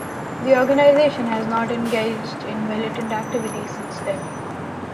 The organization has not engaged in militant activity since then.